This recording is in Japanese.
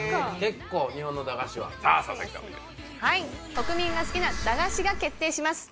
国民が好きな駄菓子が決定します。